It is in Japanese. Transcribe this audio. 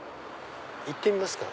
行ってみますか。